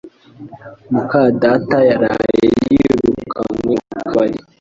muka data yaraye yirukanwe mu kabari